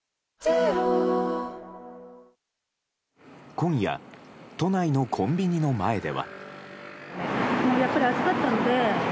今夜、都内のコンビニの前では。